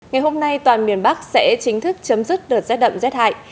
ngày hôm nay toàn miền bắc sẽ chính thức chấm dứt đợt rét đậm rét hại